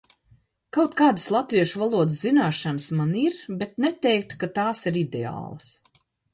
Kaut kādas latviešu valodas zināšanas man ir, bet neteiktu, ka tās ir ideālas.